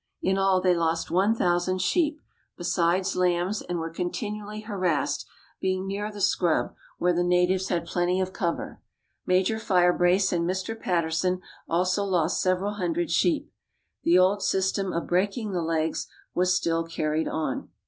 In all, they lost 1,000 sheep, besides lambs, and were continually harassed, being near the scrub, where the natives Lad plenty of cover. Major Firebrace and Mr. Patterson also lost several hundred sheep. The old system of breaking the legs was still carried on.